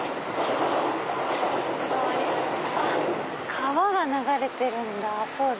川が流れてるんだ。